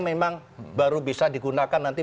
memang baru bisa digunakan nanti